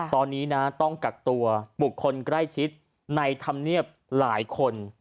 ตอนนี้นะต้องกักตัวบุคคลใกล้ชิดในธรรมเนียบหลายคน